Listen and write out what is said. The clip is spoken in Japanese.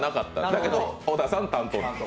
だけど小田さん担当。